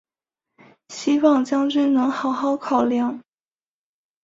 希望将军能好好考量！